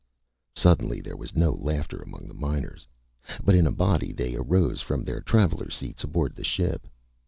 Suddenly there was no laughter among the miners. But in a body they arose from their traveler seats aboard the ship.